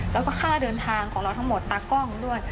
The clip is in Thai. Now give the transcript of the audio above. แล้วก็ค่าเดินทางของเราทั้งหมดตากล้องด้วย